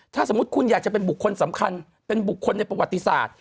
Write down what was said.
ถ้าสมมุติคุณอยากจะเป็นบุคคลสำคัญเป็นบุคคลในประวัติศาสตร์